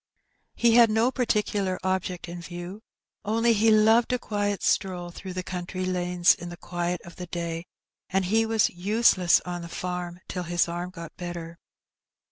He had no particular object in view, only he loved a quiet stroll through the country lanes in the quiet of the day, and he was useless on the farm till his arm got better.